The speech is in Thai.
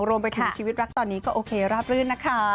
รวมไปถึงชีวิตรักตอนนี้ก็โอเคราบรื่นนะคะ